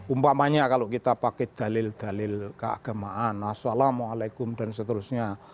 umpamanya kalau kita pakai dalil dalil keagamaan assalamualaikum dan seterusnya